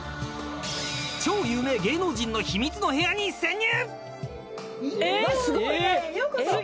超有名芸能人の秘密の部屋に潜入。